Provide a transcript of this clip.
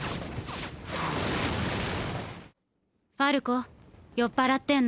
ファルコ酔っ払ってんの？